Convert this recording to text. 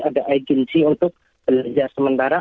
ada agensi untuk belajar sementara